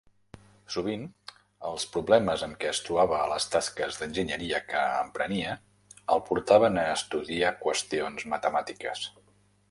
Sovint, els problemes amb què es trobava a les tasques d'enginyeria que emprenia el portaven a estudiar qüestions matemàtiques.